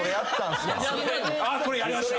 これやりました。